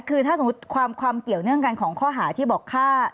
คือถ้าสมมุติความเกี่ยวเนื่องกันของข้อหาที่บอกฆ่า